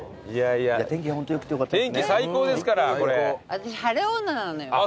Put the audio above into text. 私晴れ女なのよ。